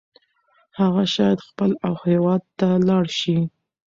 هغه شاید خپل هیواد ته لاړ شي.